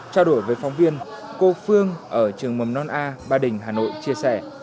trao đổi với phóng viên cô phương ở trường mầm non a ba đình hà nội chia sẻ